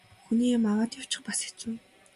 Хүний юм аваад явчих бас хэцүү.